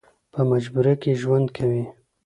په مجبورۍ کې ژوند کوي.